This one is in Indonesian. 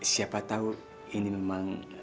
siapa tahu ini memang